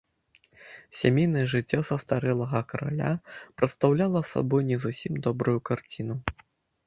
Сямейнае жыццё састарэлага караля прадстаўляла сабой не зусім добрую карціну.